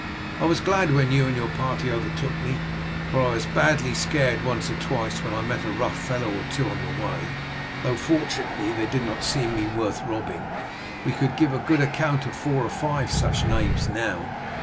I was glad when you and your party overtook me, for I was badly scared once or twice when I met a rough fellow or two on the way, though, fortunately, they did not deem me worth robbing. We could give a good account of four or five of such knaves now."